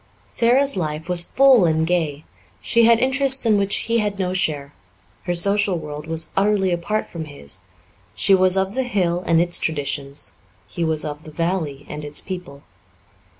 Sara's life was full and gay; she had interests in which he had no share; her social world was utterly apart from his; she was of the hill and its traditions, he was of the valley and its people.